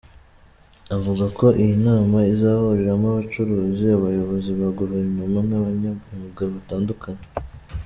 Avuga ko iyi nama izahuriramo abacuruzi, abayobozi ba Guverinoma n’abanyamyuga batandukanye.